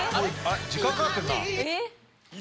時間かかってるな。